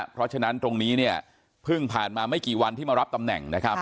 เพราะฉะนั้นตรงนี้เนี่ยเพิ่งผ่านมาไม่กี่วันที่มารับตำแหน่งนะครับ